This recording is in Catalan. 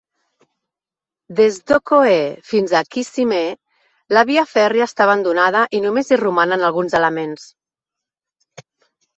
Des d'Ocoee fins a Kissimmee, la via fèrria està abandonada i només hi romanen alguns elements.